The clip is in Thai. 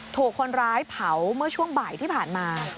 ถูกคนร้ายเผาเมื่อช่วงบ่ายที่ผ่านมา